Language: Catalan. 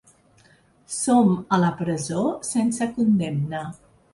Som a la presó sense condemna.